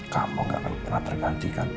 kamu gak akan pernah tergantikan